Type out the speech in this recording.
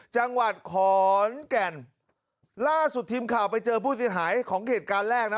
จังหวัดขอนแก่นล่าสุดทีมข่าวไปเจอผู้เสียหายของเหตุการณ์แรกนะ